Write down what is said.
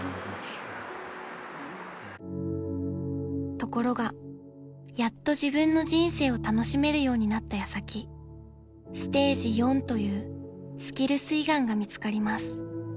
［ところがやっと自分の人生を楽しめるようになった矢先ステージ４というスキルス胃がんが見つかります］